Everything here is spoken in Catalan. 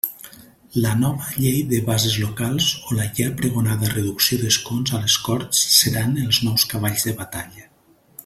La nova llei de bases locals o la ja pregonada reducció d'escons a les Corts seran els nous cavalls de batalla.